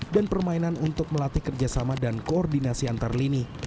dan permainan untuk melatih kerjasama dan koordinasi antar lini